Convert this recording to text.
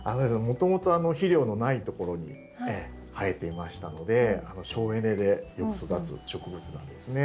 もともと肥料のないところに生えていましたので省エネでよく育つ植物なんですね。